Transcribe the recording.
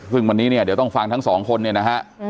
ซึ่งวันนี้เนี่ยเดี๋ยวต้องฟังทั้งสองคนเนี่ยนะฮะ